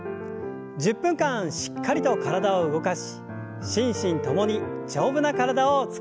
１０分間しっかりと体を動かし心身ともに丈夫な体を作りましょう。